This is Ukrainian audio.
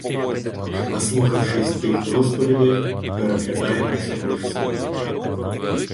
Наслухавшись тих розповідей, переглядаємося між собою.